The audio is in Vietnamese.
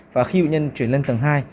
và khi bệnh nhân chuyển lên tầng hai